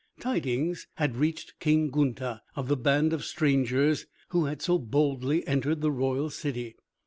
Tidings had reached King Gunther of the band of strangers who had so boldly entered the royal city.